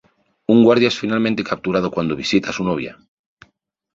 Un guardia es finalmente capturado cuando visita a su novia.